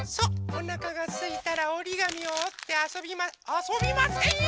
おなかがすいたらおりがみをおってあそびまあそびませんよ！